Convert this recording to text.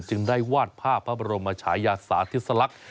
จึงได้วาดภาพพระบรมชายาสาธิสลักษณ์